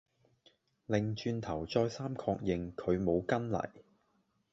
擰轉頭再三確認佢冇跟嚟